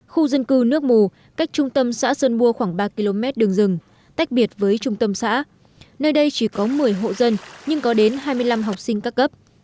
khu dân cư nước mù cách trung tâm xã sơn mua khoảng ba km đường rừng tách biệt với trung tâm xã nơi đây chỉ có một mươi hộ dân nhưng có đến hai mươi năm học sinh các cấp